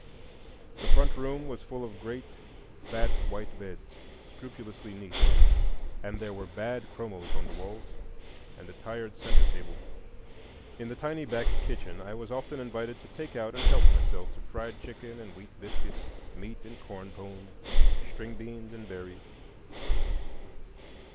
The front room was full of great fat white beds, scrupulously neat; and there were bad chromos on the walls, and a tired centre table. In the tiny back kitchen I was often invited to "take out and help" myself to fried chicken and wheat biscuit, "meat" and corn pone, string beans and berries.